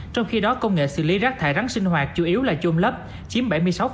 trong khi đó công nghệ xử lý rác thải rắn sinh hoạt chủ yếu là chôn lấp chiếm bảy mươi sáu